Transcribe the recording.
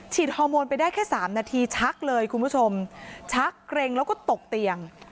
ฮอร์โมนไปได้แค่สามนาทีชักเลยคุณผู้ชมชักเกร็งแล้วก็ตกเตียง